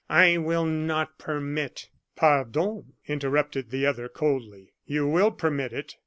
I will not permit " "Pardon!" interrupted the other, coldly, "you will permit it.